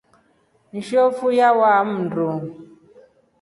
Njofu yawaa mndu.